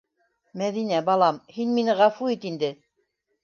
Мәҙинә, балам, һин мине ғәфү ит инде.